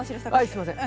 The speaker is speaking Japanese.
すいません。